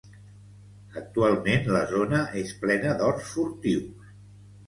Actualment la zona és plena d'horts furtius.